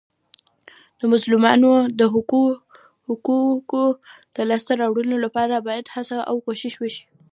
د مظلومانو د حقوقو د لاسته راوړلو لپاره باید هڅه او کوښښ وسي.